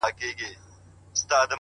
کنځل د حل لاره نده